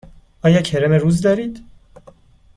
آیا کرم روز دارید؟